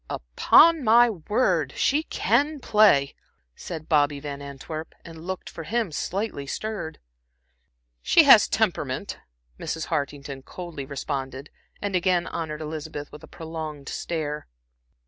"Upon my word she can play," said Bobby Van Antwerp, and looked, for him, slightly stirred. "She has temperament," Mrs. Hartington coldly responded and again honored Elizabeth with a prolonged stare.